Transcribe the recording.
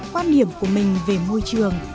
quan điểm của mình về môi trường